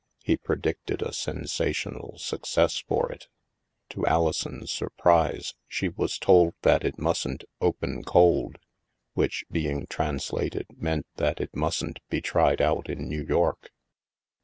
He predicted a sen sational success for it. To Alison's surprise, she was told that it mustn't " open cold," which (being translated) meant that it mustn't be tried out in New York.